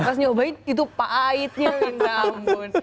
terus nyobain itu pahitnya minta ampun